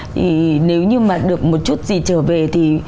thì nếu như mà được một chút gì trở về thì